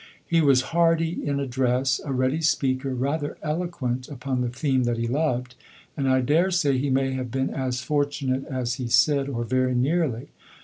He was hardy in address, a ready speaker, rather eloquent upon the theme that he loved, and I dare say he may have been as fortunate as he said, or very nearly.